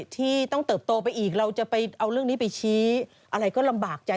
ที่ต้องเติบโตไปอีกเราจะไปเอาเรื่องนี้ไปชี้อะไรก็ลำบากใจ